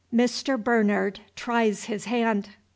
MR. BERNARD TRIES HIS HAND.